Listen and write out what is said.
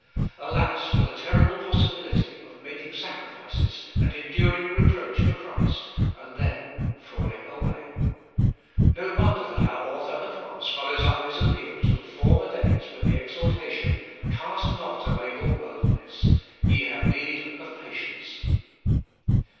Alas for the terrible possibility of making sacrifices, and enduring reproach for Christ, and then falling away ! No wonder that our author at once follows up his appeal to the former days with the exhortation : Cast not away your boldness— ye have need of patience.